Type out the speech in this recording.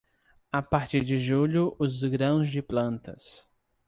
A partir de julho, os grãos de plantas.